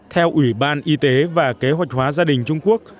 theo ủy ban y tế và kế hoạch hóa gia đình trung quốc